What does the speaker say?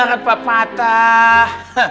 jangan lupa patah